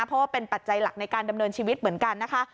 เพราะว่าเป็นปัจจัยหลักในการดำเนินชีวิตเหมือนกันนะคะ